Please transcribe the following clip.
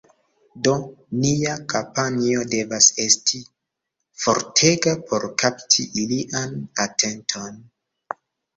Do, nia kampanjo devas esti fortega por kapti ilian atenton